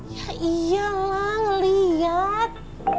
ya iyalah ngeliat